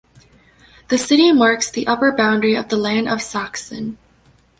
The city marks the upper boundary of the Land of "Sachsen".